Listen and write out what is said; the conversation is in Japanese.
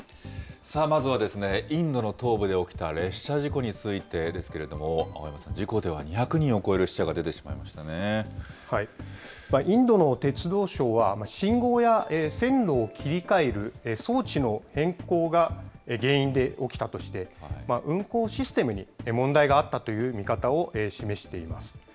まずはですね、インドの東部で起きた列車事故についてですけれども、青山さん、事故では２００人を超える死者が出てしまいまインドの鉄道相は、信号や線路を切り替える装置の変更が原因で起きたとして、運行システムに問題があったという見方を示しています。